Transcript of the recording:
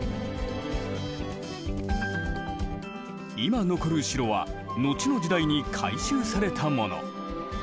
今残る城は後の時代に改修されたもの。